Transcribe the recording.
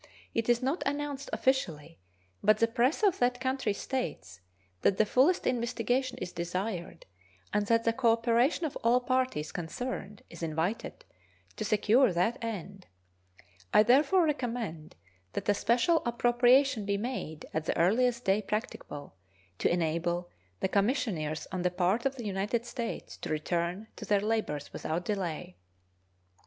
It is not announced officially, but the press of that country states that the fullest investigation is desired, and that the cooperation of all parties concerned is invited to secure that end. I therefore recommend that a special appropriation be made at the earliest day practicable, to enable the commissioners on the part of the United States to return to their labors without delay.